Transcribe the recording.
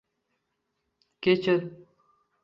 Kechir.